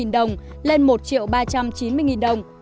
một trăm năm mươi đồng lên một triệu ba trăm chín mươi đồng